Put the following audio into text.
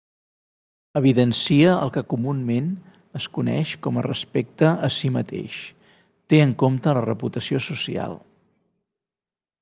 Evidencia el que comunament es coneix com a respecte a si mateix, té en compte la reputació social.